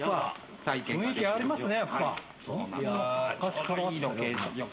雰囲気ありますね。